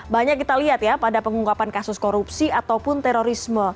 banyak kita lihat ya pada pengungkapan kasus korupsi ataupun terorisme